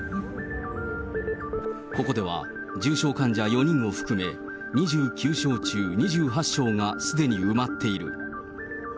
ここでは重症患者４人を含め、２９床中２８床がすでに埋まっている。